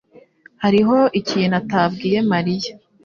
Hariho ikintu atabwiye Mariya